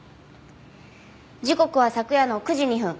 時刻は昨夜の９時２分。